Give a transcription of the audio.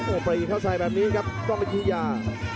โอ้ไปเข้าใส่แบบนี้ครับก้องอยุธยา